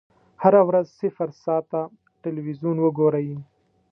هره ورځ صفر ساعته ټلویزیون وګورئ.